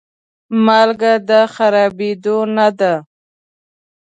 مالګه د خرابېدو نه ده.